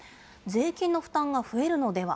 税金の負担が増えるのでは？